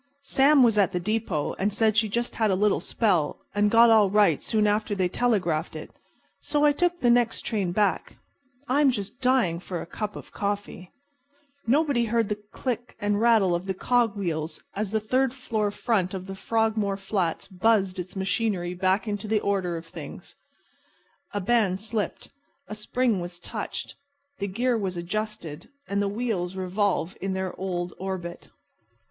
Sam was at the depot, and said she just had a little spell, and got all right soon after they telegraphed. So I took the next train back. I'm just dying for a cup of coffee." Nobody heard the click and rattle of the cog wheels as the third floor front of the Frogmore flats buzzed its machinery back into the Order of Things. A band slipped, a spring was touched, the gear was adjusted and the wheels revolve in their old orbit.